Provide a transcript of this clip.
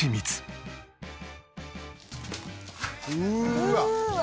「うわっ！」